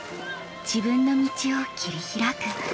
自分の道を切り開く。